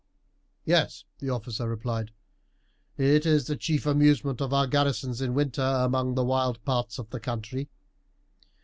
"Yes," the officer replied; "it is the chief amusement of our garrisons in winter among the wild parts of the country.